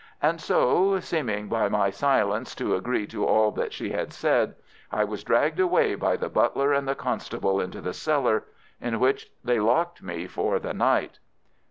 And so, seeming by my silence to agree to all that she had said, I was dragged away by the butler and the constable into the cellar, in which they locked me for the night.